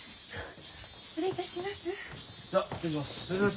失礼いたします。